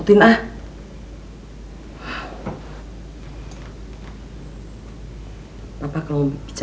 bicara dengan baik